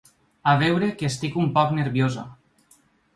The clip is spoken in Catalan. A veure que estic un poc nerviosa.